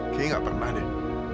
kayaknya gak pernah deh